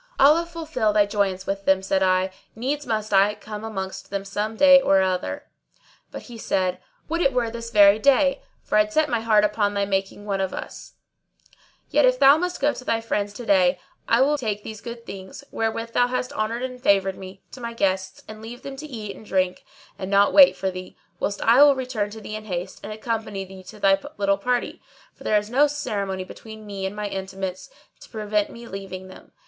"Allah fulfil thy joyance with them," said I, "needs must I come amongst them some day or other." But he said, "Would it were this very day, for I had set my heart upon thy making one of us; yet if thou must go to thy friends to day, I will take these good things, wherewith thou hast honoured and favoured me, to my guests and leave them to eat and drink and not wait for me; whilst I will return to thee in haste and accompany thee to thy little party; for there is no ceremony between me and my intimates to prevent my leaving them.